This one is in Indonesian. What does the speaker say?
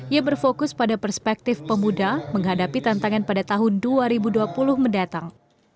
ia berfokus pada perspektif pemuda menghadapi tantangan pada tahun dua ribu dua puluh mendatang